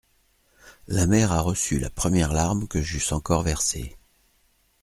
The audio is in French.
La mer a reçu la première larme que j'eusse encore versée.